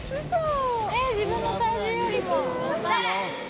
「自分の体重よりも重たい」